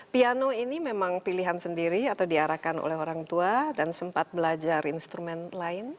piano ini memang pilihan sendiri atau diarahkan oleh orang tua dan sempat belajar instrumen lain